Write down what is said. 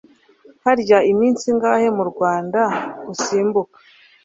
Harya iminsi ingahe mu mwaka usimbuka?